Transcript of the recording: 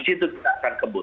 situ kita akan kebut